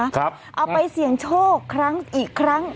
เอาไปเสี่ยงโชคครั้งอีกครั้ง